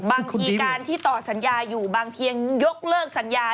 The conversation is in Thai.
บางทีการที่ต่อสัญญาอยู่บางเพียงยกเลิกสัญญา